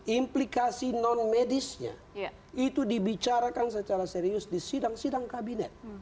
implikasi non medisnya itu dibicarakan secara serius di sidang sidang kabinet